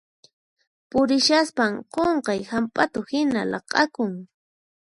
Purishaspan qunqay hamp'atu hina laq'akun.